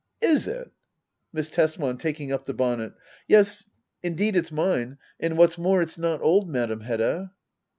Is it! Miss Tesman. [Taking up the bonnet.] Yes, indeed it's mine. And, what's more, it's not old. Madam Hedda.